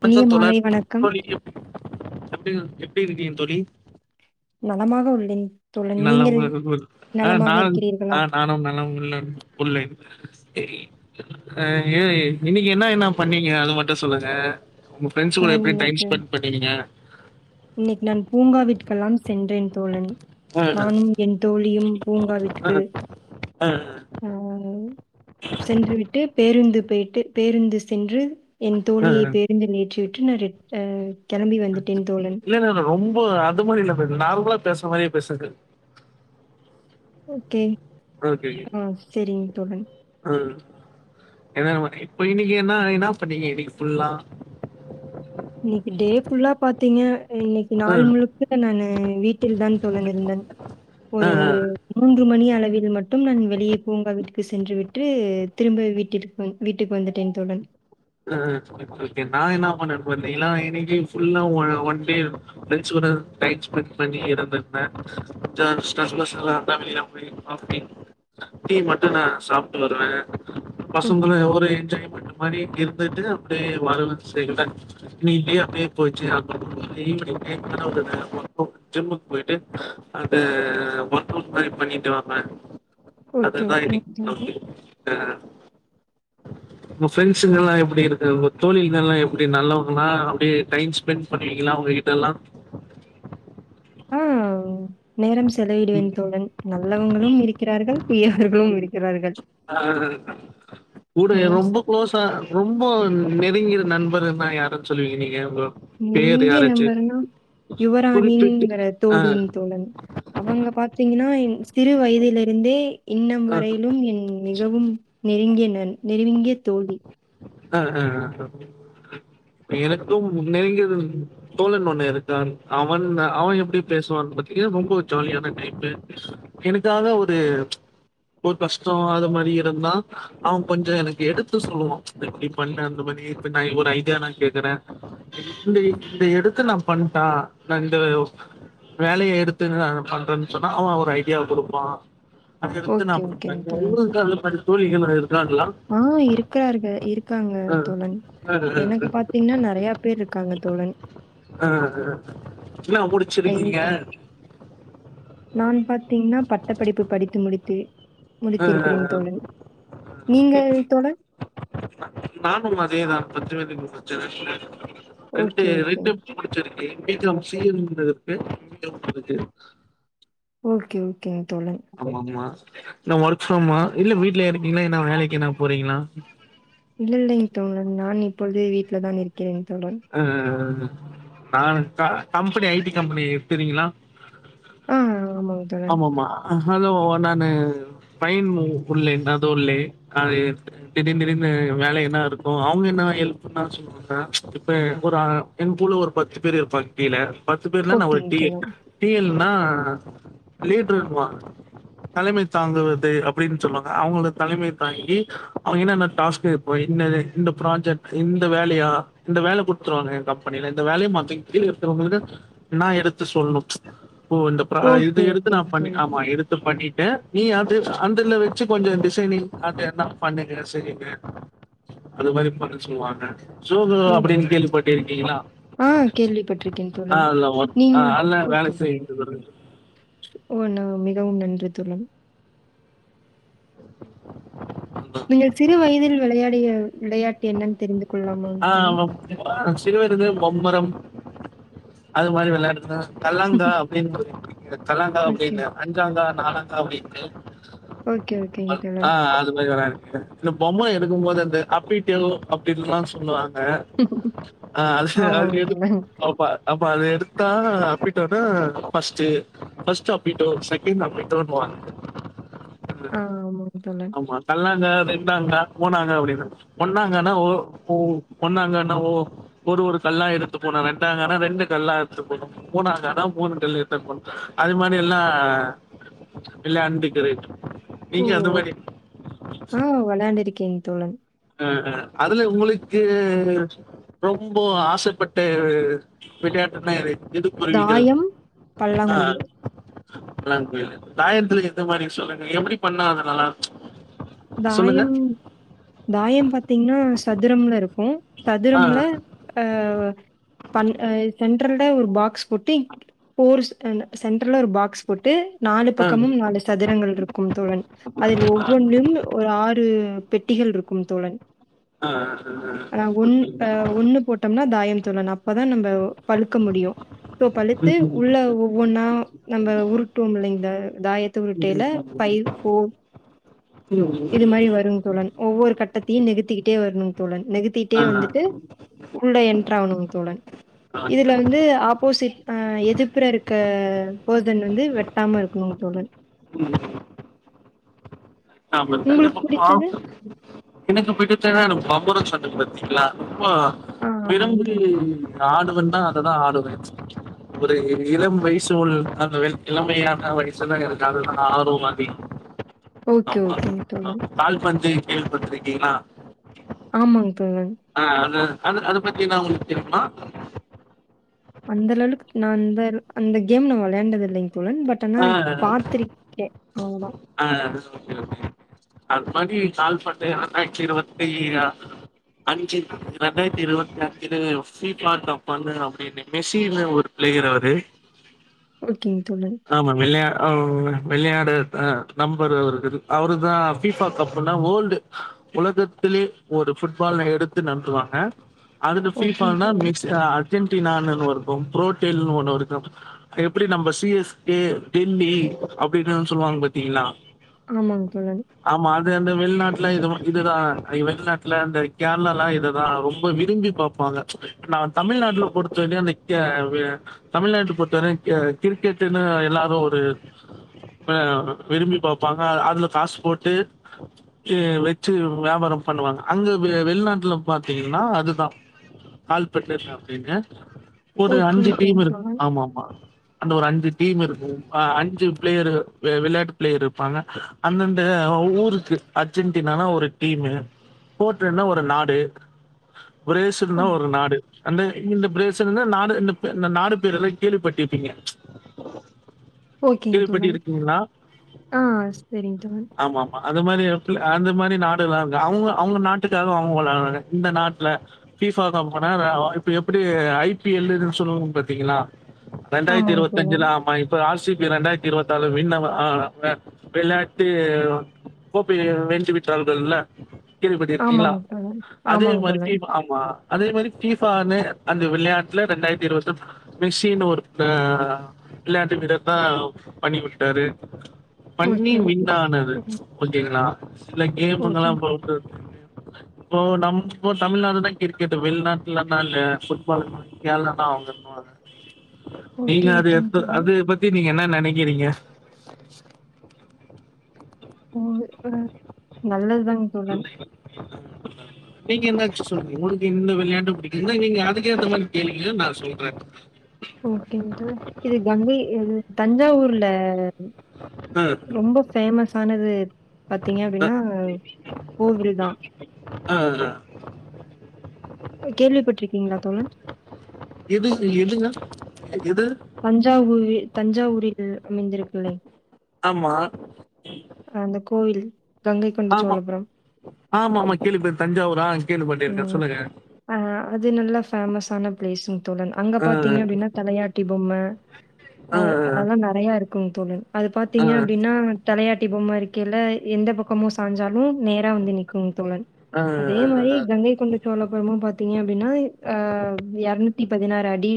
கொஞ்சோ இனிய தொல மாலை வணக்கம். தோழிப் எப்டி இருக் எப்டி இருக்கீங்க தோழி நலமாக உள்ளேன் தோழன். நலம் நீங்கள் [unintelligible] ஆஹ் நலமாக நான் இருக்கிறீர்களா? ஆஹ் நானும் நலம் உள்ளன் உள்ளேன் அஹ் இது இன்னைக்கு என்ன என்ன பண்ணீங்க அது மட்டும் சொல்லுங்க உங்க ஃப்ரெண்ட்ஸ் கூட நான் எப்டி டைம் இன்னைக்கு, ஸ்பெண்ட் பண்ணீங்க இன்னைக்கு நான் பூங்கா வீட்கெல்லாம் சென்றேன் தோழன் அ நானும் என் தோழியும் பூங்கா அ வீட்டுக்கு அ அ ஆஹ் சென்றுவிட்டு பேருந்து பெயிட்டு பேருந்து சென்று என் தோழியை அ பேருந்தில் ஏற்றி விட் சின்னரிட் ஆ கெளம்பி வந்துட்டேன் தோழன் இப்போ அது மாரி இல்ல ப்ரதர் நார்மலா பேசுற மாரியே பேசுங்க ஓகே ஓகே ஓகே ஆஹ் செரிங் தோழன் ஏனா நமக் இப்ப இன்னிக்கு என்னா என்னா பண்ணீங்க இன்னிக்கு ஃபுல்லா இன்னிக்கு டே ஃபுல்லா பாத் தீங்க இன்னிக்கு நாள் ம் முழுக்க நானு வீட்டில் தான் தோழன் இருந்தன் அ ஒரு அ மூன்று மணி அளவில் மட்டும் நான் வெளியே பூங்கா வீட்டுக்கு சென்று விட்டு திரும்ப வீட்டிற்க்கு வீட்டுக்கு வந்துட்டேன் தோழன் ஆஹ் ஓகே ஓகே நா என்னா பண்ணிர்ப்பே [unintelligible] இன்னிக்கு ஃபுல்லா வொ ஒன் டே ஃபிரண்ட்ஸ்களோட டைம் ஸ்பெண்ட் பண்ணி இருந்திருப்பே [inaudible] டீ மட்டு நா சாப்ட்டு வருவே ம். பசங்களு எவ்ளோ தா [unintelligible] மணிக்கு இல்ல எப்டி தா இப்டி [inaudible] நீங்கி அப்டியே போச்சி [inaudible] ஜிம்முக் போய்ட்டு அப்டியே ஒர்க்கவுட் மாரி பண்ணிட்டு வாங்க அது ஓகே, தா ஓகேங்க இன்னிக் தோழன். [unintelligible] ஆஹ் உங்க ஃபிரண்ட்ஸுகெல்லா எப் எப்டி இருக்கு உங்க தோழிகளெல்லா எப்டி நல்லவங்களா அப்டியே டைம் ஸ்பெண்ட் பண்ணுவீங்களா அவங்ககிட்டலா ஆ நேரம் ஸ் செலவிடுவேன் தோழன் நல்லவங்களு இருக்கிறார்கள் தீயவர்களும் ம் இருக்கிறார்கள். ஆ கூட ம். ரொம்ப க்ளோஸா ரொம்ப நெருங்கின நண்பருனா யாருன் சொல்லுவீங்க நீங்க உங்க பேர் நெருங்கிய யாராச்சு நண்பருனா குறிப்பிட்டு? யுவராானிங்கற அ, தோழி தோழன் அவங்க பாத் தீங்கன்னா என் சிறு வயதில் இருந்தே இன்னும் அ, வரையிலும் என் மிகவும் நெருங்கிய நண் பன் நெருங்கிய தோழி ஆஹ் ஆஹ் எனக்கும் நெருங்கிய தோழன் ஒன்னு இருக்கான் அவன் அவே எப்டி பேசுவான் பாத்தீங்கனா ரொம்ப ஜாலியான டைப்பு எனக்காக ஒரு ஒரு கஷ்டோ அது மாரி இருந்தா அவ கொஞ்சோ எனக்கு எடுத்து சொல்லுவா இத இப்டி பண்ணு அந்த மாரி இப்ப நா ஒரு ஐடியா நா கேக்கறே இந்த எடு இந்த எடுத்து நா பண்ட்டா நா இந்த வேலைய எடுத்து நா பண்றன் சொன்னா அவ ஒரு ஐடியா குடுப்பா அதுக்கடுத்து நா ஓகே, [unintelligible] தோழிகள் ஏது ஆஹ் இருக்கறார்க இருக்காங்க அஹ் தோழன் அஹ் எனக்கு பாத்தீங்ன்னா நெறையா பேர்ருக்காங்க தோழன் ஆஹ் அஹ் [unintelligible] ல்லா ஐ முடிச்சிருக்கீங்க பாத்தீங்கனா பட்ட படிப்பு படித்து முடித்து முடித்திருக்கிறேன் அஹ் தோழன் நீங்க தோழன் [unintelligible] ரெண்டு ஓகே, ரெண்டு ஓகேங்க. முடிச்சிரு கே பி காம் சி ஏ [unintelligible] ஓகே ஓ ஓகேங் தோழன் ஆமாமா. என்ன ஒர்க் ஃப்ரமா இல்ல வீட்லயே இருக்கீங்களா என்னா வேலைக்கு என்னா போறீங்களா இல்ல இல்லைங் தோழர் நான் இப்பொழுது வீட்ல தான் இருக்கிறேன் தோழன். அ அ அ நானு அ கம்பெனி ஐ டி கம்பெனி தெரியுங்களா அ ஆமாங்க தோழன் அ ஹலோ நானு பைன் உள்ளேன் அது உள்ளேன் அது திடீர் திடீர்னு வேல என்ன இருக்கும் அவுங்க என்ன ஹெல்ப் பண்ண சொல்லுவாங்க இப்ப ஒரு அ என் கூல ஒரு பத்து பேர் இருப்பாங்க கீழ பத்து பேர்ல ஒரு ஓகேங்க டி தோழன். டி எல் ன்னா லீடருன் வாங்க தலைமை தாங்குவது அப்புடின்னு சொல்லுவாங்க அவுங்களோட தலைமை தாங்கி அவுங்க என்னன்ன டாஸ்க இப்ப இந்த ப்ராஜெக்ட் இந்த வேலையா இந்த வேல குடுத்துருவாங்க ஏ கம்பெனியில இந்த வேலய மாத்த கீழ இருக்கறவங்களுக்கு நா எடுத்து சொல்ணு ஓ இந்த ப்ரா ஓகே, இது எடுத்து நா ஓகேங்க பண்ணி தோழன். ஆமா எடுத்து பண்ணி [unintelligible] நீ அது அந்ததுல வச்சு கொஞ்சோ டிசைனிங் அத என்னா பண்ணுங்க செய்யுங்க அது மாதிரி பண்ண சொல்லுவாங்க சோ ஓ! அப்டினு கேள்விப்பட்டு இருக்கீங்களா ஆ கேள்விப்பட்டிருக்கேன் ஆ தோழன். அல்ல ஒ ஆ நீங் அல்ல வேல ஓகே. செய் [unintelligible] ஓ நா மிகவும் நன்றி தோழன் அதான். நீங்கள் சிறு வயதில் விளையாடிய விளையாட்டு என்னன் ஆ சில பேரு இது பொம்பரம் அது மாரி வெளையாட்டுதா கல்லாங்கா அப்டின்னு ஒரு கல்லாங்கா ஓகே. அப்டின்னு அஞ்சாங்கா நாளந்தா அப்டின்டு ஓகே, ஓகேங்க ஆ தோழன். அது மாரி வராது இந்த பொம்ம எடுக்கும்போது அந்த அப்ன்ட்டு எதோ அப் ன்லா சொல்லுவாங்க ஆ அ அது அது ஆமாங்க எது தோழன். அப்ப ஆ இப்போ அத எடுத்தா அப்பிட்டோனா ஃபர்ஸ்ட்டு பர்ஸ்ட் அப்பிட்டோ செகண்ட் அப்பிட்டோன்னுவாங்க ஆ ஆமாங் ஆமா கல்லாங்கா ரெண்டாங்கா மூணாங்கா அப்டின்னு ஒன்னாங்கன்னா ஓ ஓ ஒன்னாங்கான்னா ஓ ஒரு ஒரு கல்லா எடுத்து போனு ரெண்டாங்கன்னா ரெண்டு கல்லா எடுத்துட்டு போனு மூணாங்கானா மூணு மூணு கல்ல எடுத்தெடுத்து போடனு அது மாரி எல்லா விளையாண்டுக்குறே ஓ! நீங்க அந்த மாரி ஆ வெளாயாண்டு இருக்கே நீ தோழன் அ அ அதுல உங்களுக்கு ரொம்போ ஆசைப்பட்ட விளையாட்டுனா எது எது குருவிகள்? தாயம் பல்லாங்குழி பல்லாங் குழில தாயத்துல எந்த மாரி சொல்லுங்க எப்டி பண்ணா அது நல்லாருக்கு தாயம் தாயம் பாத்தீங்னா சதுரம்ல இருக் ஆ. சதுரம்ல ஆ பன் ஆ சென்ட்ரல் ல ஒரு பாக்ஸ் பொட்டி போர் அ சென்ட்ரல்ல ஒரு பாக்ஸ் போட்டு நாலு பக்கமும் ஆ. நாலு சதுரங்கள் இருக்கு தோழன் அதில் ஒவ்வொன்னும் ஆறு பெட்டிகள் இருக்கும் தோழன் ஆ ஆ ஆ ஆஹ் ஒன் ஓகே ம் ஆஹ் ஒண்ணு போட்டம்னா தாயம் தெர்லனா அப்பதா நம்ப பழுக்க முடியு சோ ம் பழுத்து ம் ம் உள்ள ஒவ்வொன்னா நம்ம உருட்டுவோம் இல்லைங்ளா தாயத்த உருட்டையில ஃபைவ் ஃபோர் இது மாரி வரும் தோழன் ஒவ்வொரு கட்டத்தையு நெகுத்திக்கிட்டே வரணு தோழன் நகுத்திட்டே ஆ வந்துட்டு உள்ள எண்ட்ரு ஆவணுங்க தோழன் ஓகே இதுல வந்து ஆப்போசிட் ஆ எதிர்ப்புற இருக்க போதன் வந்து வெட்டாம இருக்கணுங் தோழன் [unintelligible] உங்களுக்கு ஆ பிடிச்சது? எனக்கு போய்ட்டு [unintelligible] பம்பரொ சொன்ன பாத்தீங்களா ஆமா ஆ ஆமாங்க விரும்பி தோழன். ஆடு வந்தா அததா ஆடுவ ஒரு இளம் வயசு உள் அந்த வெள் இளமையான வயசுதா இருக்காதுனா ஆர்வம் அதிகம் ஓகே ஓகேங் தோழன் கேள்விப்பட்ருக்கீங்ளா ஆமாங் ஆஹ் அத அது அத பத்தில்லா உங்களுக்கு தெரியுமா அந்த லெவலுக்கு நா அந்த அந்த கேம் நா வெளாண்டதில்லைங் தோழன் பட் ஆனா ஆ பாத்ருக்கே அவ்ளோதா ஆ ஓகே ஓகே அது மாரி கால்பந்து ரெண்டாயிரத்தி இருவத்தி அ அஞ்சி ரெண்டாயிரத்தி இருவத்தி அஞ்சில ஃபிஃபா கப்புனு அப்டின்னு மெஸின்னு ஒரு ப்ளேயரு அவரு ஓகேங்க தோழன். ஆமா வெளையா [unintelligible] வெளையாடு அ நம்பரு [unintelligible] அவருதா ஃபிஃபா கப்புன்னா வோல்டு உலகத்திலே ஒரு ஃபுட்பால் எடுத்து நடத்துவாங்க அதுகு ஃபீஃபா ஓகேங்க னா தோழன். மெக்ஸ் அ அர்ஜென்டீனான்னு [unintelligible] அப்றோ ப்ரோடேல்னு ஒண்ணு இருக்கு எப்டி நம்ம சி எஸ் ஏ டெல்லி அப்டினு சொல்லுவாங்க பாத்தீங்களா ஆமாங் தோழன் வந்து அந்த வெளிநாட்ல இதுவு இதுதா ஐயோ வெளிநாட்ல அந்த கேரளால இதுதா ரொம்ப விரும்பி பாப்பாங்க நா தமிழ்நாட்ல பொறுத்த வர்லையு அந்த கே வெ தமிழ்நாட்டு பொறுத்தவரையு ஆ கிரிக்கெட் ட்டுன்னு எல்லாரு ஒரு ஆ விரும்பி பாப்பாங்க அ அதுல காசு போட்டு ஆ வெச்சி வியாபாரம் பண்ணுவாங்க அங்க வெ வெளிநாட்ல பாத்தீங்கன்னா அதுதா கால்பட்லர் அப்டின்னு போட்டு ஓகே, அஞ்சு டீம் ஓகேங்க இருக் தோழன். ஆமா ஆமா அந்த ஒரு அஞ்சு டீம் இருக்கு அ அஞ்சு பிளேயர் விளையாட்டு பிளேயர் இருப்பாங்க அந்தந்த ஊருக்கு அர்ஜென்டினானா ஒரு டீமு போர்டன்னா ஒரு நாடு ஆ பிரேசில்னா ஒரு நாடு அந்த இந்த பிரேசில்னா நாடு இந்த பெ இந்த நாடு பேர்ல்லா கேள்விப்பட்டிருப்பீங்க ச் ஓகேங்க கேள்விப்பட்டி தோழன். இருக்கீங்ளா ஆ சரிங்க தோழன். ஆமாமா அது மாரி எடத்துல அந்த இம் மாரி நாடெல்லா இருக்கு அவுங்க அவுங்க நாட்டுக்காக அவுங்க வெளாடுறாங்க இந்த நாட்ல ஃபீஸ் வாங்காம போனா நேஆவு இப்ப எப்டி ஐ பி எல் னு சொல்லுவாங்க பாத்தீங்கன்னா ரெண்டாயிரத்து ஆமாங்க இருவ தோழன். தெஞ்சிலாமா இப்ப ஆசிப் இரண்டாயிரத்தி இருவத் ஆலு வின் அவ அ வெளாட்டு கோப்பை வென்றுவிட்டார்கள்ல கேள்வி பட்டிருக்கீங்ளா ஆமாங்க தோழன். அதே ஆமாங்க மாரி தோழன். டீம் ஆமா அதே மாரி பிசானு அந்த விளையாட்டுல ரெண்டாயிரத்தி இருபது மெஸின்னு ஒருத விளையாட்டு வீரர் தா பண்ணி குடுத்தாரு பண்ணி ஓகே, ஓகே. விண்ணாணரு சரிங்க. ச்சு ஓகேங்களா சில கேமுங்கலா [unintelligible] ஓகேங்க. இப்போ நம்ம தமிழ்நாடுதா கிரிக்கெட் வெளிநாட்டுல அந்த புட்பால் மாரி கேம்தா அவங்க இன்னுவாங்க ஓகே ஓகேங் ப்பு அது பத்தி நீங்க என்ன நெனக்கிறீங்க [unintelligible] நல்லதுதாங் [unintelligible] நீங்க என்னாச்சு சொல்லுங்க உங்களுக்கு இந்த விளையாட்டு பிடிக்கு இருந்தா நீங்க அதுக்கேந்த மாரி கேளுங்கன்னு நா சொல்றே ஓகேங்க தோழர் இது கங்கை இ தஞ்சாவூர்ல அ, ரொம்ப ஃபெமஸ் ஆனது பாத்தீங்க அப்படின்னா கோவில் தா அ, அ. கேள்விப்பட்டிருக்கீங்களா தோழன் எது எதுங்க? எது? தஞ்சாவூரி தஞ்சாவூர் ல் அமைந்திருக்குலைங் கொண்ட ஆம்மா சோழபுரம் ஆம்மா மா கேள்விப்பட் தஞ்சாவூர் ஆ கே ஒ ஆஹ் அது நல்ல ஃபேமஸான பிளேஸ்ங் தோழன் அங்க அ, பாத்தீங்க அப்டின்னா தலையாட்டி பொம்மை அ, அ, அது அதெல்லா நறைய இருக் கும் தோழன் அது அ, பாத்தீங்க அப்டின்னா தலையாட் டி பொம்ம இருக்கேல்ல எந்த பக்கமும் சாஞ்சாலு நேரா வந்து நிக்கு தோழன் அ, அதே மாரி அ, கங்கைக் கொண்ட சோழபுரமு பாத்தீங்க அப்டின்னா ஆஹ் எரநூத்திப் பதினாறு அடி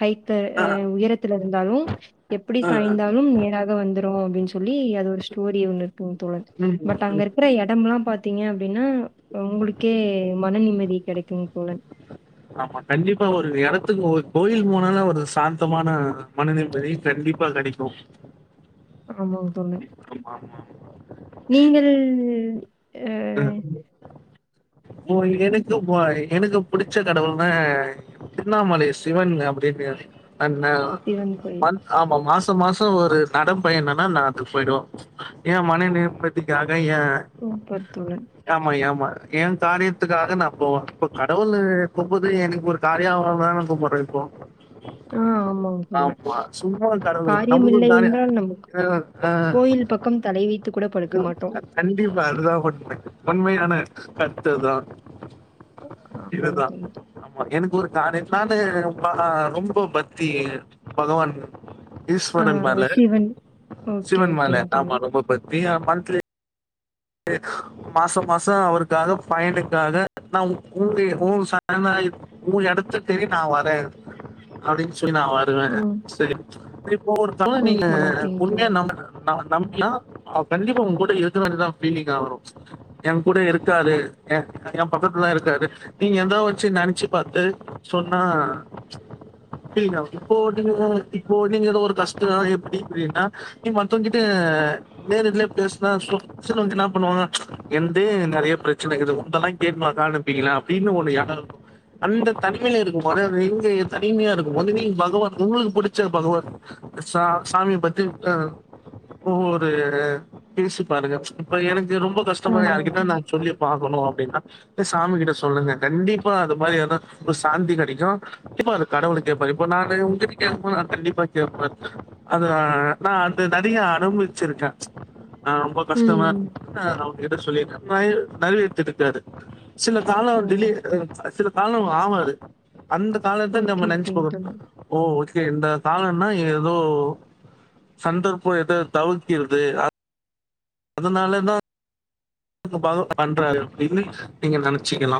ஹைட்டு அ, அ, அஹ் உயரத்துல இருந்தாலும் எப்பிடி ஆ. சாய்ந்தாலும் நேராக வந்து வரு அப்டின் சொல் ல்லி அது ஒரு ஸ்டோரி ஒன்னு இருக்குங் தோழர் ம், பட் அங்க ம். இருக்கிற எடம்லா பாத் பாத்தீங்க அப்டின்னா இப்ப உங்ளுக்கே மன நிம்மதி கெடைக்குங் தோழன் ஆம்மா கண்டிப்பா ஒரு எடத்துக்கு ஒரு கோயில் போனால ஒரு சாந்தமான மனநிம்மதி கண்டிப்பா கெடைக்கு ஆமாங்க தோழன் ஆம்மா ம்மா நீங்கள் அ உஹ் போ ஏதுக்கு போய் எனக்கு புடிச்ச கடவுள் னா ஆஹ் திருவ்ண்ணாமலை சிவன் அப்டின்னு அண்ண சிவன் கோயில் மந்த் ஆம்மா மாஸ் பத்து மாச ஒரு நடம் பயணன்னா நாங்கப் போயிடுவோ ஏ மனைவி பத்தி கா கயே சூப்பர் தோழன் ஆம்மா ய ம ஏன் காரியத்துக்காக நா போவே இப்போ கடவுளு கும்பது எனக்கு ஒரு காரியாவாரமே கும்பிற இப்போ ஆ ஆமாங்க தோழன் ஆம்மா சும்மா கடவுள காரியம் நம்முளுக்கு ஒரு இல்லை காரியா என்றால் நமக்கு அஹ் ஆஹ் கோயில் பக்கம் தலை வைத்து கூட படுக்க மாட்டோம் கண்டிப்பா அதுதா ஒண்மை உண்மையான அத் ட்டுதா ஆமாங்க இதுதா தோழன் ஆம்மா எனக்கு ஒரு கரியந்தா வந்து ரொம்ப ஆஹ் ரொம்போ பத்தி பகவான் ஆ ஈஸ்வரன் மேல சிவன் ஓகே சிவன் மேல ஓகேங்க ஆம்மா தோழன் ரொம்ப பத் வீஹா மந்த்லி மாச மாசம் அவருக்காக பயனுக்காக நா உங் உ ஊன் சன்னாய் உன் எடத்து தேடி நா வரே அப்டின்னு சொ நா வருவே ம் செரி இப்ப ஒருத்தவ நீங்க ஓகே ஓகேங்க உண்மையா தோழன் நம்பற நா நம் நா அவ கண்டிப்பா உங்க கூட இருதுக்க வேண்டிதா பீலிங்காகு என் கூட இருக்காரு என் ஏ பக்கத்துல தா இருக்காரு நீங்க எதாவது வச்சு நினைச்சு பாத்து சொன்னா [unintelligible] இப்போ நீ இப்போ நீங்க ஒரு கஷ்டம் எப்படிப்படின்னா நீ மத்தவங்கட்டு நேரடலே பேசினா சூப் பிரச்னை வஞ்சு என்ன பண்ணுவாங்கனா எந்தே நெறைய பிரச்சனைக்குது உந்தெல்லா கேட் காணப்பீங்களன் அப்படின்னு ஒண்ணு யானம்க்கும் அந்த தனிமையில இருக்கு எங்க தனிமையா இருக்கு வந்து நீ பகவான் உங்களுக்கு புடிச்ச பகவான் ச சாமிய பத்தி ஆஹ் ஒவ்வொரு பேசி பாருங்க இப்ப எனக்கு து ரொம்ப கஷ்டமா ஆமாங்க யார்கிட்ட நா தோழன் சொல்லி பாக்கணு அப்டின்னா சாமி கிட்ட சொல்லுங்க கண்டிப்பா அது மாரி ஏதுனா ஒரு சாந்தி கிடைக்கும் இப்ப அது கடவுள் கேட்பார் இப்ப நா உங்கிட்ட கேடது நா கண்டிப்பா கேட்ப அது நா அது நெறைய அனுபச்சிருக்கே ஆஹ்ம் [unintelligible] ம் அவங்ககிட்ட சொல்லிறே [unintelligible] நெறவேத்தி இருக்காரு சில தான ம் ஆ திலீ அஹ் சில தான மாமாது அந்த காலர் தா ஓகே, நம்ம நென்ச் ஓகேங்க தோழா. [inaudible] ஓ ஓக் து இந்த காலன்னா எதோ சந்தர்ப்போ எதோ தவிக்கிறது அ அதனாலேதா [inaudible] பண்றாரு அப்படின்னு நீங்க நெனைச்சிக்கலா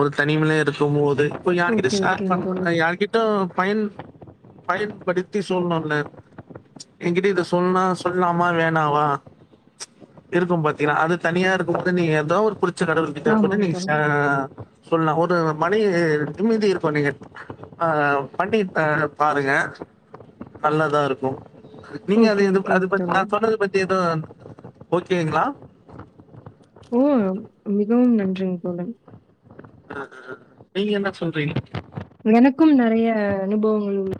ஒரு தனிமலே இருக்கும்போது இப்ப ஓகே, யார்கிட்டயு ஷேர் ஓகேங்க தோழா. பண்ணா யார்கிட்டு பைன் பையன்படுத்தி சொல்லணுல்ல எங்கிட்ட இத சொல்னா சொல்லாமா வேணாவா இருக்கும் பாத்தீங்களா அது தனியா இருக்கும் போது நீங்க எதா ஒரு புடிச் ச்ச கடவுள் கிட்ட போய்ட்டு ஆமாங்க நீங்க ஷே தோழா. சொல்லா ஒரு மணி நிம்மிதி இருக்கு நீங்கட் ஆஹ் பண்ணிப் அ பாருங்க நல்லாதா இருக்கு நீங்க அது ஓகே, எதுப் அது ஓகேங்க பத்தி தோழா. ந சொன்னது பத்தி எதூ ஓகேங்களா ஊ அம் மிகவும் நன்றிங் தோழன் நீங்க என்னா சொல்றீங் எனக்கும் நெறைய அனுபவங்கள் உள்